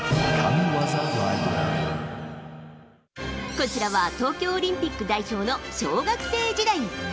こちらは東京オリンピック代表の小学生時代。